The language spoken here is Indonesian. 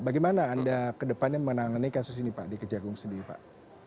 bagaimana anda ke depannya mengenai kasus ini pak di kejagung sendiri pak